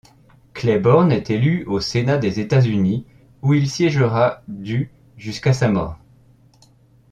Claiborne est élu au Sénat des États-Unis, où il siègera du jusqu'à sa mort.